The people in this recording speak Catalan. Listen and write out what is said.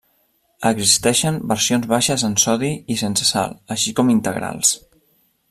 Existeixen versions baixes en sodi i sense sal, així com integrals.